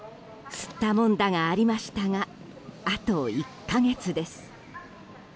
すったもんだがありましたがあと１か月です。